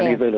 nah itu lho